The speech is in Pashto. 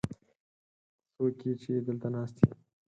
ته څوک يې، چې دلته ناست يې؟